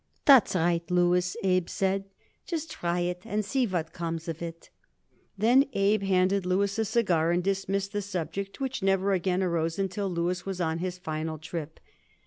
"That's right, Louis," Abe said. "Just try it and see what comes of it." Then Abe handed Louis a cigar and dismissed the subject, which never again arose until Louis was on his final trip.